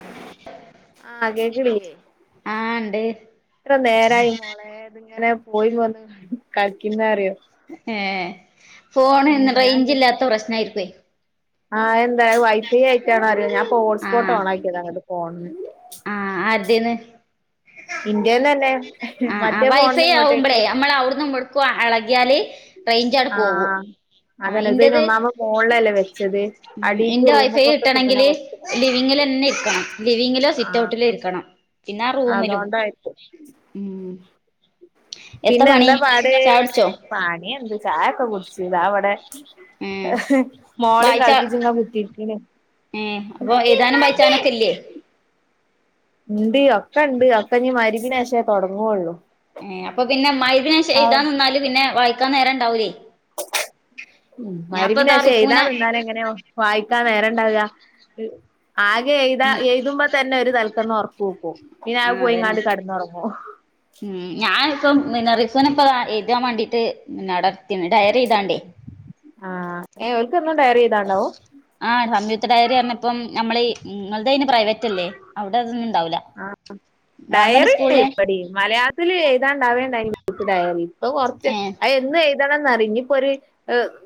[unintelligible] ആഹ് കേക്ക്ണില്ലേ? ആഹ് ഇണ്ട് എത്ര നേരായി മോളേ ഇതിങ്ങനെ പോയിം വന്നും കളിക്ക്ന്നറിയോ ഏഹ് ഫോണ് ന്ന ഞാൻ റൈഞ്ചില്ലാത്ത പ്രശ്നായിരിക്കയ് ആഹ് എന്താ വൈഫൈ ആയിട്ടാണോ അറീല ഞാൻപ്പോ ഹോട്സ്പോട്ട് ആഹ് ഓണാക്യെതാ ഫോണ്ന്നപ്പോ ആഹ് ആര്തീന്ന്? ഇന്റേന്ന് തന്നെ ആ ആ മറ്റേ ഫോണിന്ന് വൈഫൈ ആവുമ്പളേ ഇങ്ങോട്ടേക്ക് നമ്മളവ്ട്ന്നും ഇബട്ന്നും എളകിയാല് റെയ്ഞ്ചാട് പോകൂം ആഹ് ആ അതന്നെ ഇത് അയിന് ഇന്റത്, ഒന്നാമത് മോളിലല്ലേ വെച്ചത് അടീക്ക് ഇന്റെ വൈഫെ റൂമ്ക്കൊക്കെ കിട്ടണ കിട്ടണങ്കില് കൊറച്ച് പണി ലിവിങ്ങിലെന്നെ ഇരിക്കണം. ലിവിങ്ങിലോ ആഹ് സിറ്റൗട്ടിലോ ഇരിക്കണം. പിന്നാ റൂമിലും അതോണ്ടായിരിക്കും ഉം. എത്ത പണി, ചായുട്ച്ചോ? പണ്യെന്ത് ചായൊക്കെ കുട്ച്ചു. ച്ച്, താവടെ ഏഹ് മോളിം വായിച്ച കൾപ്പിച്ച് വ്ടെ കുത്തിര്ക്ക്ണ്. ഏഹ് അപ്പൊ എയ്താനും വായ്ച്ചാനൊക്കെല്ലേ? ഇണ്ട്, ഒക്കെണ്ട്. ഒക്കെഞ്ഞ് മയിരിബിനേഷേ തൊട്ങ്ങൊള്ളു. ഏഹ് അപ്പൊ പിന്നെ മഅ് രിബിനേഷം എയ്താൻ നിന്നാല് പിന്നെ വായിക്കാൻ നേര- ണ്ടാവൂലേയ്. ഉം, മഅരിബിനേഷം എയ്താൻ നിന്നാലെങ്ങനെ വായിക്കാൻ നേരണ്ടാവ? ആകെ എഴ്താ, ഉം എയ്തുമ്പ തന്നെ ഒരു തലക്കന്ന് ഒറക്കൂക്കും. ആഹ് അതന്നെ. ഉം ഞാനിപ്പം, [unintelligible] എയ്താ മ്മാണ്ടീട്ട് [unintelligible] ഡയറി എയ്താണ്ടേ ആഹ് ഏ ഓൽകെന്നും ഡയറി എയ്താണ്ടാവും? ആ സംയുക്‌ത ഡയറി പർഞ്ഞ്പ്പം നമ്മളെ ഇങ്ങൾതയ്ന് പ്രൈവറ്റല്ലെ, അവ്ടതൊന്നുണ്ടാവൂല. ആഹ് ഡയറിണ്ട് ഇബടിം. മലയാളത്തില് എയ്താണ്ടവേണ്ട [unintelligible] ഡയറി. പ്പൊ കൊറച്ച് ഏഹ് അയ് [unintelligible] [unintelligible] ണന്നറിഞ്ഞ് പ്പൊര്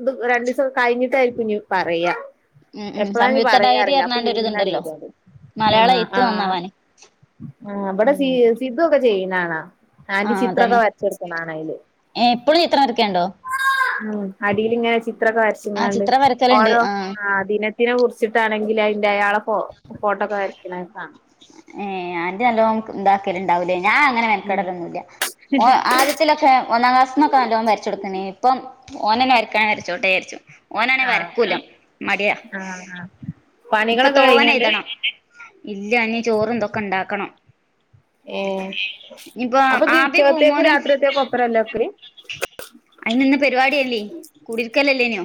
ഇത് രണ്ടീസം കഴിഞ്ഞിട്ടായിരിക്കും നി പറയാ. ഉം ഉം എപ്പളാഞ്ഞ് സംയുക്ത ഡയറി പറയാറീല അപ്പൊ പറഞ്ഞാണ്ട് ഇരുന്നാണ് ഒരിതുണ്ടല്ലോ എഴുത [unintelligible] മലയാളം ആഹ് എഴുത്ത് ആഹ്. നന്നാവാന് ആ ബ്ടെ ഉം സി സിദ്ധൊക്കെ ചെയ്യ്ണാണ ആന്റി ആഹ് ചിത്രൊക്കെ അതന്നെ വരച്ചൊട്ക്ക്ണാണയ്ല് ഏഹ് ഇപ്പളും ചിത്രം വരക്കലുണ്ടോ [inaudible] ഉം അടീലിങ്ങനെ ചിത്രൊക്കെ ആഹ് വരച്ച്ങ്ങാണ്ട് ചിത്രം വരക്കലുണ്ട് ഓരോ ആഹ് ആ അതിന് തിനെ കുറിച്ചിട്ടാണെങ്കില് അയ്ന്റെ അയാളെ ഫൊ ഫോട്ടോക്കെ വര്ക്ക്ണ ആ. ഏഹ്, ആന്റി നല്ലോം ക് ണ്ടാക്കല്ണ്ടാവൂലേ? ഞാ അങ്ങനെ മെൻക്കടലൊന്നുംല്ല. ഓ ആദ്യ [unintelligible] ഒന്നാം ക്ലാസ്ന്നൊക്കെ നല്ലോം വരച്ചൊട്ക്ക്ണ്ടായീനി, ഇപ്പം ഓനെന്നെ വരക്കാണേൽ വരച്ചോട്ടെചാര്ച്ചു. ഓനാണേ ആഹ് വരക്കൂല്ല. മടിയാ ആഹ് ആഹ് ഇപ്പൊ പണികളൊക്കെ കഴിഞ്ഞണ്ട് തോനെയ്തണം. ഇല്ല, ഇനി ചോറും തൊക്കെ ഇണ്ടാക്കണം. ഏഹ് ഇനിയിപ്പോ അപ്പൊ ജ് ആബി ഉച്ചക്കത്തേക്കും പൂമോനും രാത്രിത്തേക്കും ഒപ്പരല്ലെ വെക്കല്? അയ്ന് ന്ന് പരിവാടിയല്ലേ കുടിരിക്കലല്ലേനൊ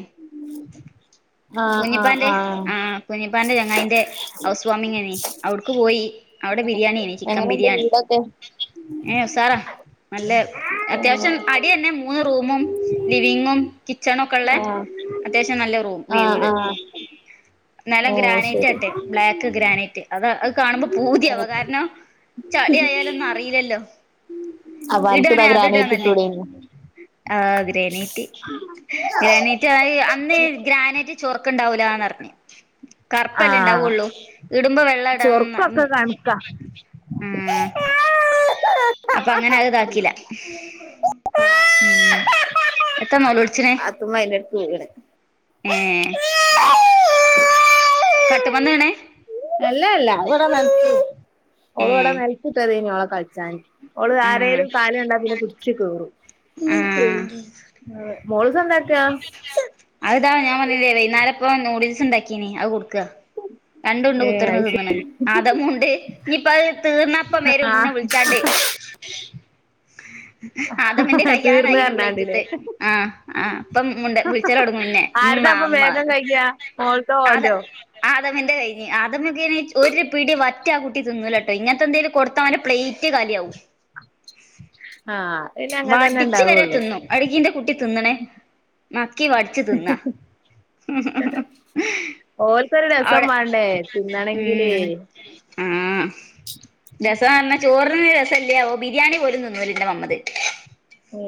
ആഹ് ആഹ് കുഞ്ഞിപ്പാന്റെ ആഹ്, കുഞ്ഞിപ്പാന്റെ ചെങ്ങായിന്റെ ഹൗസ് വാമിംങേനി അവ്ട്ക്ക് പോയീ. അവ്ടെ ബിരിയാണ്യേനി, ചിക്കൻ എങ്ങനെയുണ്ട് ബിരിയാണി വീടൊക്കെ ഏഹ് ഉസാറാ നല്ല ആഹ് അത്യാവശ്യം അടിയന്നെ മൂന്ന് റൂമും ലിവിങ്ങും, കിച്ചൻ ഒക്കെള്ളെ അത്യാവശ്യം നല്ല റൂം. ആഹ് ആഹ് നെലം ഏഹ് ശരി ഗ്രാനൈറ്റാട്ടെ ബ്ലാക്ക് ഗ്രാനൈറ്റ്, അത് അത് കാണുമ്പോ പൂതിയാവ കാരണം ചളി ആയാലൊന്നും അറീലല്ലോ അപ്പൊ അനക്ക് ഇടാണേ ഇതാ ഗ്രാനൈറ്റ് അത്ഇടാനല്ലെ. ഇട്ടൂടേനോ ആഹാ ഗ്രാനേറ്റ് ഗ്രാനേറ്റ് ആയി അന്നേ ഗ്രാനേറ്റ്. ഈ ചൊർക്ക്ണ്ടാവൂലാന്ന് അറിഞ്‌ കർപ്പല്ലെ ആഹ് ഇണ്ടാവുള്ളൂ ഇടുമ്പവെള്ള. വെള്ള ഇടണംന്നാ ചൊറുക്കൊക്കെ മ്മ്. കണക്കാ ഉം അപ്പ അങ്ങനെ അത് ഇതാക്കില. മ്മ് [unintelligible] തുമ് ആയിന്റെട്ക്ക്വീണ് ഏഹ്ഹ്. കാട്ടുപന്നിആണേ. അല്ല അല്ല ഇവിടെ നെൽത്ത് ഏ ഓളിവിടെ നെൽത്ത്ട്ടതെയ്ന്നു ഓളെ കളി. ചാന് ഓള് ആ ആരേലും കാല്കണ്ടാ പിന്നെ പിടിച്ച് കേറും. ആ മോള് മോളൂസ് എന്തെടുക്കാ. അതാണ് ഞാൻ പർഞ്ഞില്ലെ വെയ്ന്നാരം ഇപ്പ നൂഡിൽസ് ഉണ്ടാക്കീന് അത് കൊടുക്കാ. രണ്ടുഉണ്ട ഏ കുത്തിർന്ന് അയ്ശ തിന്നണ് ആദമൂണ്ട് ഇനിയിപ്പ അത് തീർന്നപ്പ വരും ആ ഇന്നെ വിളിച്ചാണ്ട്. [inaudible] ആദമിന്റെ തീർന്ന് കയ്യാണയിന് പറഞ്ഞാണ്ടില്ലേ പ്ലേറ്റത്ത് ആഹ ആഹ ഉം ഉണ്ട് ആരതാ അപ്പൊ വേഗം കഴിക്കാ മോൾതോ ഓന്റോ [unintelligible] ആദമിന്റെ കഴിഞ്ഞ് ആദമ് ഇതേനെ ഒരു പിടി വറ്റ് ആ കുട്ടി തിന്നൂലട്ട ഇങ്ങനത്തെ എന്തെലും കൊടുത്താലും ഓന്റെ പ്ലേറ്റ്. റ്റ് കാലിയാവും. ആഹ് വടിച്ച് വരെ തിന്നും അടുക്കിന്റെ കുട്ടി തിന്നണേ. നക്കി വടിച്ചു തിന്നാ. ഹ്ഹ് ഓൾക്കൊരു രസം അവിടെ വാണ്ടേ തിന്നണെങ്കില്. ആഹ രസാന്നാ ചോറിന് രസഇല്യാ ഓ ബിരിയാണി പോലും തിന്നൂല്ല എന്റെ നമ്മത്. ഏ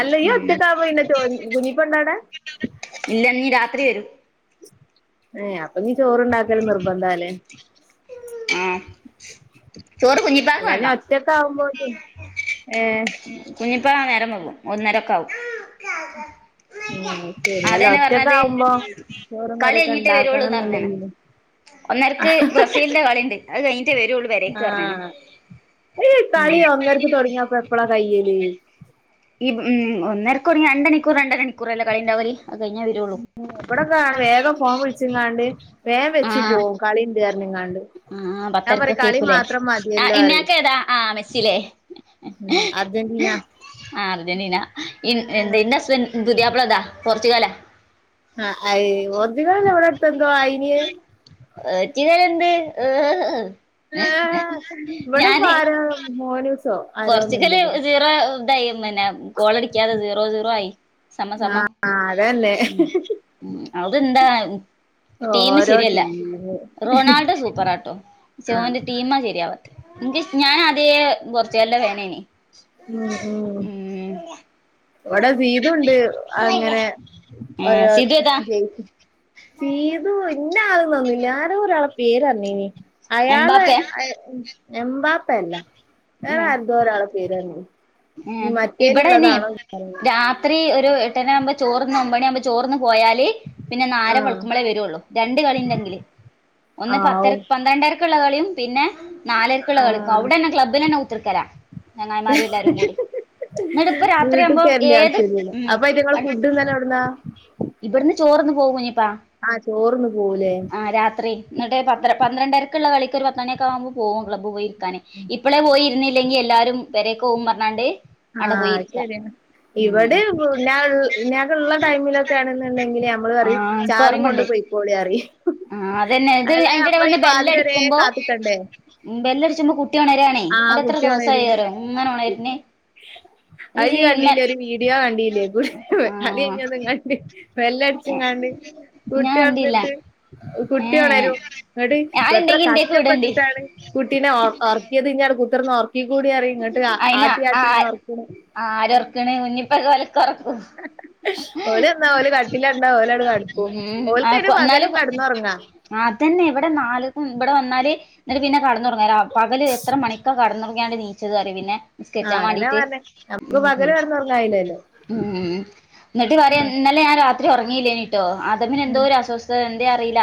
അല്ല ഈ ഉം ഒറ്റക്കാവുമ്പോ പിന്നെ ചോ കുഞ്ഞിപെണ്ണ് എവിടെ. ഇല്ല ഇനി രാത്രി വരും. ഏയ് അപ്പൊനീ ചോറുണ്ടാക്കൽ നിർബന്ധല്ലേ. ആഹാ ചോറ് കുഞ്ഞിപ്പാക്ക് വേണ്ട. [unintelligible] ഏഹ്ഹ്. കുഞ്ഞിപ്പ നേരം പോവും ഒന്നരൊക്കെ ആവും. ശരി അല്ല അതന്നെ പറഞ്ഞത് ഒറ്റക്കാവുമ്പോ ചോറും കളി കറിയൊക്കെ കഴഞ്ഞിട്ടേ വരുള്ളൂന്ന് പറഞ്ഞാണ്. ഉണ്ടാക്കണംന്നുണ്ടെങ്കില് ഒന്നരക്ക് ബ്രസീലിന്റെ കളിണ്ട് അത് കഴിഞ്ഞിട്ടേ വരൂള്ളൂ. ആഹ ഈ ഉം കളി ഒന്നരക്ക് തുടങ്ങിയപ്പ എപ്പളാ കഴിയല്. ഈ ഉം ഒന്നരക്ക് തൊടങ്ങിയ രണ്ട് മണിക്കൂർ രണ്ടഅര മണിക്കൂർ അല്ലേ കാലിണ്ടാവൽ അത് കഴിഞ്ഞേ വരുള്ളൂ. ഇവിടൊക്കെ ആണ് വേഗം ഫോം വിളിച്ചിങ്ങാണ്ട് വേഗം വെച്ചു പോകവും കളിണ്ട്പറഞ്ഞുങ്ങാണ്ട്. ആഹ പത്തരക്ക് കേൾകൂലെ ആ പറയും ഇങ്ങൾക്ക് ഏതാ ആ മെസ്സിലേ. ഉം അർജന്റീന ഏഹ്ഏഹ് ആഹാ അർജന്റീന ഇ എന്ത് ഇസ്രായേൽ. പുതിയാപ്ല അല്ല പോർച്ചചുഗാലാ. ആഹ അയി ഒധിക എവിടെ എടുത്ത എന്തോ ആയിന്. പോർച്ചുഗലെന്ത്‌ ഹ്ഹ്ഹ്. ആ ഇവിടെഇപ്പ ആരാണ് മോനൂസോ. പോർച്ചുഗല് ആരോന്നുണ്ട് സീറോ ഇതായി പിന്നെ കോളടിക്കാതെ സീറോ സീറോ ആയി. സമ സമം ആഹാ അതന്നെ ഇഹിഹ്. ഉം അത് എന്താ ഉം. ടീം ഓരോ ശരിയല്ല ടീമ് റൊണാൾഡോ സൂപ്പറാട്ടോ പക്ഷെ ഓന്റെ ടീമാ ശരിയാവാത്തെ. എ ഞാൻാദ്യ പോർച്ചുഗലന്റെ വേനേനി ഉം ഉം. ഇവിടെ [unintelligible] അങ്ങനെ ഏഹ് സിതു ഏതാ ഒരജയിച്ച. സീതു ഇന്ന ആളെ പറഞ്ഞില്ല ആരോ ഒരാളെ പേര് അറിഞ്ഞീനി അയാള്. എംമ്പാപ്പയാ ഉം എമ്പാപ്പയല്ല വേറെ അരൂടോ ഒരാളെ പേര് പറഞ്ഞു. ഏ ഇബടെ അയിനി രാത്രി ഒരു എട്ടന് ആവുമ്പോ ചോറ്ന്ന് ഒമ്പണിയ ആവുമ്പോ ചോറ്ന്ന് പോയാല് പിന്നെന്നാര ആഹ് വെളുക്കുമ്പോളേ വരുള്ളൂ രണ്ട് കളിണ്ടെങ്കില് ഒന്ന് പത്തര ആവും പന്ത്രണ്ടര കളിയും പിന്നെ നാലേർക്കുള്ള കളിക്കും ആഹ് അവിടെ തന്നെ ക്ലബ്ബിൽ തന്നെ കുത്തിർക്കല ചങ്ങായിമാര് എല്ലാരും കൂടി എന്നിട്ട് ഇപ്പ വീട്ട്ക്ക് രാത്രിയാവുമ്പോ വരണ്ട ഏത് ആവശ്യല്ലല്ലോ അപ്പൊ അയ്റ്റങ്ങള് ഉ ഫുഡ് ഇന്നലെ എവിട്ന്നാ ഇവിടുന്ന് ചോറന്ന് പോകും കുഞ്ഞിപ്പാ ആ ചോർന്ന് പോവുലേ രാത്രി എന്നിട്ട് പത്ത പന്ത്രണ്ടരക്കുള്ള കളിക്ക് ഒരു പ മണൊക്കെ ആവുമ്പോ പോവും ക്ലബ്ബ് പോയിരിക്കാന് ഇപ്പോളേ പോയിരുന്നില്ലെങ്കി എല്ലാരും വരെക്ക പോവും പറഞ്ഞാണ്ട് ആ ആടെ പോയി ഇരിക്ക ശരിയ ഉം ഇവിടെ ഞാൻ ഞ ക്കള്ള ടൈമിലൊക്കെ ണുന്നുണ്ടെങ്കിൽ നമ്മള് പറി ആഹ് ചാവിം കൊണ്ട് പോയിക്കോളി പറീം ആ അതന്നെ ഇത് അയിന്റെടടെ വന്ന് വരെ ബെല്ലടിക്കുമ്പോ കാത്ത്ക്കണ്ടേ ബെല്ലടിച്ചുമ്പോ കുട്ടി ഉണരാണേ ആഹ് ന്നിട്ട് എത്ര കുട്ടി ദോസ ആയി ന്നറിയോ ഇങ്ങനെ ഉണർന്നെ അ ഇ കണ്ടീല്ലേ ഒരു വീഡിയോ കണ്ടില്ലേ കളി ആഹ് കഴിഞ്ഞ് വന്നാണ്ട് വെല്ല അടിച് ങ്ങാണ്ട് ഞാൻ കുട്ടി കണ്ടില്ല ഒൺന്ന്ട്ട് കുട്ടി ഏഹ് ഒണരും എന്നട്ട് എത്ര അത്ണ്ടെങ്കി ഇന്റെക്ക് വിടണ്ടി കസ്റ്റപ്പെട്ടിട്ടാണ് കുട്ടീനെ ഒ ഒർ ത് ഇടെ കുത്തിർന്ന് ഉറക്ക കൂടി അറി ഇങ്ങോട്ട് അയിന് ആട്ടിയാട്ടി ഇങ്ങ ഉറക്ക ആ ആരോറക്കണ് കുഞ്ഞിപ്പൊക്കെ ഒലക്ക ഉറക്കും ഓല് വന്നാ ഓല് കട്ടില് കണ്ടാ ഓലട കടക്കും ഉം ആ ഓൽക്കയ്ന് പകലും ന്നാലും കെടന്നുറങ്ങാ അതന്നെ ഇവിടെ ന്നാല് നാല്ക്കും ഇവിടെ വന്നാല് എന്നിട്ട് പിന്നെ കടന്ന തുടങ്ങ പകല് എത്ര മണിക്കാ കെടന്നോറ നീച്ചത് അറി പിന്നെ ആഹ് നിസ്കരിച്ചാൻ അതന്നെ വേണ്ടിട്ട് പറഞ്ഞെ നമുക്ക് പകല് കടന്നുറങ്ങായില്ലല്ലോ എന്നിട്ട് പറിയ ഇന്നലെ ഞാൻ രാ രി ഉറങ്ങിയില്ലേനീട്ടോ ആദമിന് എന്തോ ഒരു അസ്വസ്ഥത എന്തേ അറില്ല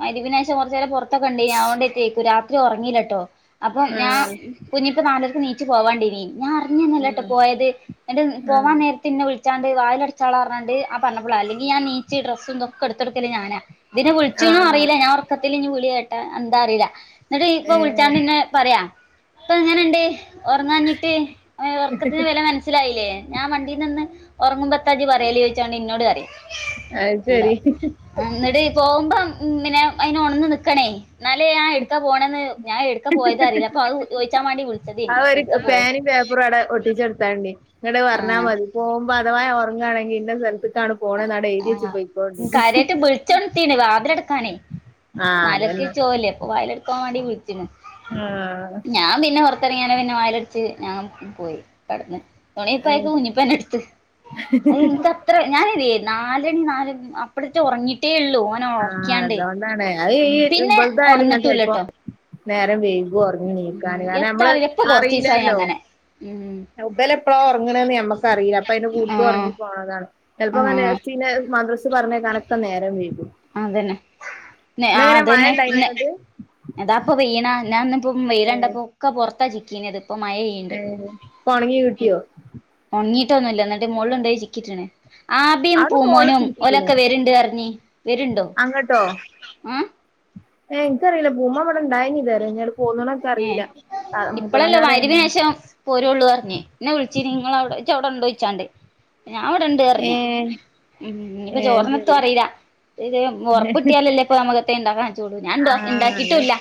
മയിരിബിനെശം കുറച്ചു നേരെം പുറത്തൊക്കെ ഇണ്ടേനി അ ഓണ്ടറ്റെക്കും എത്തിയേക്കു രാത്രി ഉറങ്ങിലട്ടോ അപ്പം ഞാൻ ആഹ് കുഞ്ഞിപ്പ നാലേര്ക്ക് നീച്ചു പോവാണ്ടേനി ഞ്ഞാ റിഞ്ഞന്നല്ല ട്ടോ പോയത് എന്റെ എ പോവാൻ ആഹ് നേര പിന്നെ വിളിച്ചാണ്ട് വാൽ അടച്ചാള പറഞ്ഞാണ്ട് ആ പറഞ പൊള അല്ലെങ്ക ഞാ നീച്ചി ഡ്രസ്സസ് ക്കെ എടുക്കല്ലേ ഞാനാ ഇതിനെ വിളിച്ചും ആണോ അറില്ല ഞാൻ ഉറക്കത്തിത്തില് ഇ വിളി കേട്ടാ എന്താ അറില്ല എന്നിട്ട് ഇപ്പൊ ഏഹ് വിളിച്ചാണ്ട്ന്നെ പറയാ ഇപ്പൊ എങ്ങനെണ്ട് ഒറക്കാഞ്ഞിട്ട് ഉറക്കത്തിന് വില മന മനസ്സിലായില്ലേ ഞാൻ വണ്ടിയി നിന്ന് ഉറങ്ങുമ്പോത്ത ഇജ് പറയല് ചോയിച്ചാണ്ട് ഇന്നോട് പറിയ അയ് ശെരി. എന്നിട് പോകുമ്പം പിന്നെ അയിന് ഒണന്ന് നിക്കണേ? ന്നാലേ ഞാൻ എടുക്ക പോണന്ന് ഞാൻ എടുക്കാ പോയതറില്ല അപ്പൊ അത് ചോദിച്ചാൻ മാണ്ടി വിളിച്ചതേനി. ര് എടുക്കാ പോയത് പേനിം പേപ്പറും അവിടെ ഒട്ടിച്ചെടുത്താണ്ടി ഇങ്ങട്ട്വഞ്ഞാൽ ആഹ് മതി പോ ഇപ്പ അധവാ ഒറങ്ങാണെങ്കി ഇന്ന സ്ഥലത്തക്കാണ് പോണ നാ എഴുതിയച്ച് പൊയി കോണ്ടി വിളിച്ചൊ ണതീണ് വാതിലടക്കാനേ ആഹ് നാലണിക്ക് അതന്നെ നീച് പോവലേ അപ്പൊ വാതിലടക്കാൻ വേണ്ടി വിളിച്ചിണ്. ആ ഞാൻ പിന്നെ പുറത്തിറങ്ങിയാനെ പിന്നെ വായിലടിച്ച് ഞാൻ പോയി കിടന്ന്. തുണിം കുപ്പായൊക്കെ കുഞ്ഞിപ്പ ന്നെ ടുത്ത് അത്. ഞാനിതേ നാലണി നാല അപ്പടത്തെ ഉറങ്ങിട്ടേ ഉള്ളൂ. ഓനെ ആ ഉറക്കിയാണ്ട് അതോണ്ടാണ് അ ഈ പിന്നെ വലുതായാലും ഞാൻ ചെലപ്പോം. ഉണന്നിട്ടൂല്ലട്ടോ നേരം വൈകു ഉറങ്ങി ഉം നീക്കാന് കാര എത്താ നമ്മള് അറിയില്ല ഇപ്പൊ കൊറച്ച് ദിവസായി അറിയില്ലല്ലോ. അങ്ങനെ ഉം ഇബൽ എപ്പോഴാ ഒറങ്ങണ എന്ന്ഞമ്മക്കറില്ലല്ലോ അപ്പൊ അതിന്റെ കൂടത്തി ആഹ് ഒറങ്ങി പോണതാണ് ചെല്പ്പോ ആഹ് സിനെ മദ്രസ് പറഞ്ഞയക്കാനൊക്കെ നേരം വൈകും അതന്നെ ആ ഇന്നങ്ങനെ മഴ അതന്നെ ഇണ്ടായിനോ പിന്നെ അങ്ങട്ട് അതാപ്പൊ പെയ്യണ ഞാന് ഇന്നിപ്പം വെയിലണ്ടപ്പോക്കെ പുറത്താ ചിക്കീ നത്. ഇപ്പൊ മഴയ്യ്ണ്ട് ഏഹ് ഒണങ്ങി കിട്ടിയോ ഉണങ്ങിയിട്ടൊന്നുല്ല എന്നിട്ട് മോളിലൊണ്ടോയി ചിക്കിട്ട്ണ്. ആബിയും അവിടെ മോള് പൂമോനും ചീറ്റിക്ക്ണോ ഓലൊക്കെ വരുണ്ട് പറഞ്ഞ് വരുണ്ടോ ആ ഏ എനിക്കറിയില്ല പൂമ്പോൻ ഇവിടെണ്ടായിണ്ട് നി അങ്ങ്ണ്ട് പോ ഏ ഇപ്പളല്ല [unintelligible] നേഷം. പോരള്ളു പറഞ് ഇന്നെ വിളിച്ചി നി ഇങ്ങളവ്ടെ ഇജവ്വിടെണ്ടോ ചോച്ചാണ്ട് ഞാവ്ടെണ്ട് പറഞ്ഞ് ഏഹ് ഉം ഇനിപ്പൊ ഏഹ് ചോറിനെത്തോ ശരി അറീല്ല ഇത് ഉറപ്പിട്ടിയാലല്ലേ ഇപ്പൊ നമുക്ക്. [unintelligible] ഞാൻ ആഹ് അത് ണ്ടാക്കീട്ടൂല്ല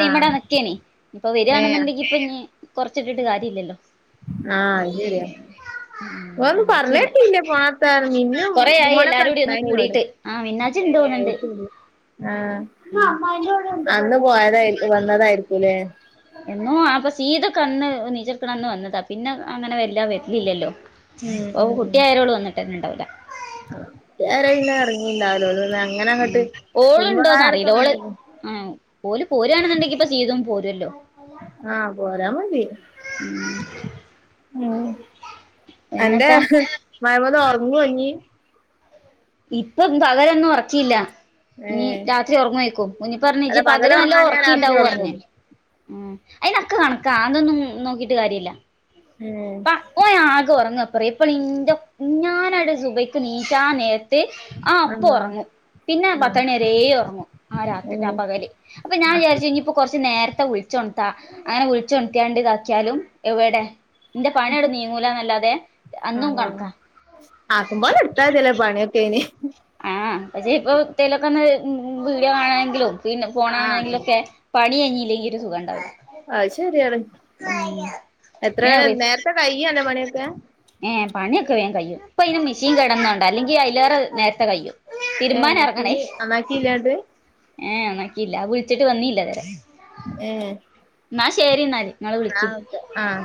ആഹ് നിക്കേ നി ഇപ്പൊ ഏഹ് വരാണ്ണെന്ന്ണ്ടെങ്കി ഇപ്പൊ കൊറച്ചിട്ട്ട് കാര്യ ഇല്ലല്ലോ. ആഹ് അത് ശരിയാ ഉം ഓനൊന്നും ഇണ്ടാക്കിയില്ല പറഞ്ഞേട്ടില്ല പോണത്ത മിന്നും കൊറേ പൂ ആയി മോനൊകെ എല്ലാരും കൂടി ഒന്ന് കൂടിയിട്ട് ആ മിന്നാജ് ഇണ്ട് തോന്ന്ണ്ട് ഉം [unintelligible] അന്ന് പോയതായി വന്നതായിരിക്കൂലേ? എന്നും അപ്പൊ സീതൊക്കെ അന്ന് നീച്ർക്ക്ണന്ന് വന്നതാ പിന്നെ അങ്ങനെ വല്ല വരലില്ലല്ലോ. ഓക്ക് കുട്ടി ആയരോള്വന്നിട്ട്ന്ന ഇണ്ടാവുല്ല. ര പിന്നെ ഇറങ്ങിണ്ടാവല്ലോ അ അങ്ങനെ അങ്ങട്ട് [unintelligible] ആഹ് ഓല് പോരാണെന്നുണ്ടെങ്കി ഇപ്പ സീതും പോരല്ലോ. ആഹ് പോരാമതി. [unintelligible] ഉം അന്റെ എന്നത്താ മയമത് ഒറങ്ങോ ഇഞ്ഞി. ഇപ്പ പകലൊന്നും ഒറക്കില്ല. ഇനി ഏഹ് രാത്രി ഒറങ്ങേക്കും കുഞ്ഞിപ്പറഞ്ഞു അല്ല ജജ് പകല് നല്ല ഉറങ്ങാഞ്ഞാ രാത്രി ഉറക്കിണ്ടാവു പറഞ്ഞ്. ഉറങ്ങും ഉം അയിനക്ക കണക്കാ അതൊന്നും നോക്കിട്ട് കാര്യല്ല. ഉം പ ഓ ആകെ ഉറങ്ങാ പറ ഇപ്പൊ ഇന്റെ ഞാനായിടെ സുബയ്ക്ക് നീച്ചാൻ നേ ആ അപ്പ ആഹ് ഒറങ്ങും പിന്നെ ആഹ് പത്തണി വരേ ഒറങ്ങും. ആ രാത് രാ ഏഹ് പ്പകല് അപ്പൊ ഞാൻ വിചാരിച്ചു ഇനി ഇപ്പൊ കുറച്ച് നേരത്തെ വിളിച്ച വിളിച്ചൊണത്താ അങ്ങനെ വിളിച്ചൊണത്തിയാണ്ട് ഇതാക്കിയാലും എവടെ. ഇന്റെ പണിങ്ങട് നീങ്ങൂല ന്നല്ലാതെ അന്നും കണക്കാ. ആക്കമ്പോലടുത്താതി ലോ പണിയൊക്കെ യിന് ആഹ് പക്ഷേ ഇപ്പൊ എതേലൊക്കെ ന്ന് വീഡിയോ കാണെങ്കിലും പിന്നെ ആഹ് ഫോണാണെങ്കിലൊക്കെ. പണികയിഞ്ഞില്ലെങ്കിൽ ഒരു സുഖണ്ടവുല. അത് ശെരിയാണ് എത്രേ നേരത്തെ കൈയ്യൊല്ലെ പണിയൊക്കെ ഏ പണിയൊക്കെ വേഗം കയും ഇപ്പൊ അയിന് മിഷീൻ കേടന്നോണ്ട അല്ലെങ്കിൽ അതിലേറെ നേരത്തെ കയും. ഏ മെഷീന് നന്നാക്കില്ലാ ങ്ങട്ട്. ഏ [unintelligible] വിളിച്ചിട്ട് വന്നീല്ല വരെ ഏ ന്നാ ശരി ന്നാല് ആഹ് ഓക്കെ ആഹ്